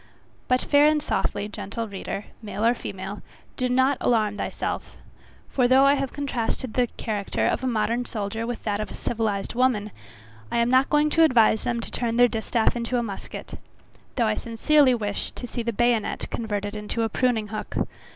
But fair and softly, gentle reader, male or female, do not alarm thyself, for though I have contrasted the character of a modern soldier with that of a civilized woman, I am not going to advise them to turn their distaff into a musket, though I sincerely wish to see the bayonet converted into a pruning hook.